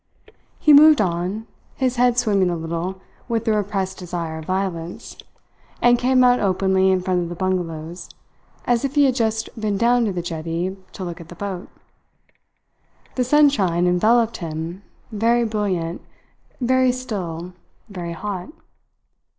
He moved on, his head swimming a little with the repressed desire of violence, and came out openly in front of the bungalows, as if he had just been down to the jetty to look at the boat. The sunshine enveloped him, very brilliant, very still, very hot.